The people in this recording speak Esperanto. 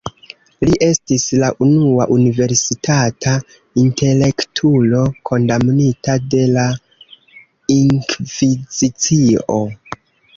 Li estis la unua universitata intelektulo kondamnita de la Inkvizicio.